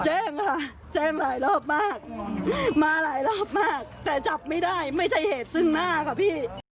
แจ้งค่ะแจ้งหลายรอบมากมาหลายรอบมากแต่จับไม่ได้ไม่ใช่เหตุซึ่งหน้าค่ะพี่